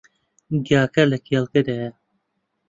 گاکە لە کێڵگەکەدایە.